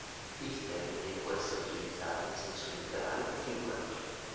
Il termine può essere utilizzato in senso letterale o figurato.